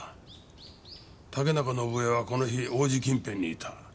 竹中伸枝はこの日王子近辺にいた。